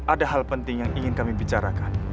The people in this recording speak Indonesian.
ada hal penting yang ingin kami bicarakan